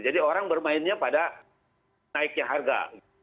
jadi orang bermainnya pada naiknya harga